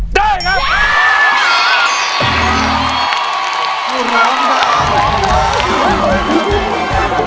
ได้ครับ